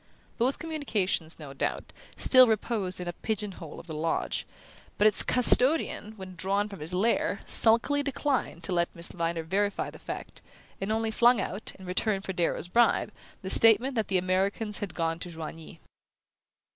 Both communications, no doubt, still reposed in a pigeon hole of the loge; but its custodian, when drawn from his lair, sulkily declined to let Miss Viner verify the fact, and only flung out, in return for Darrow's bribe, the statement that the Americans had gone to Joigny.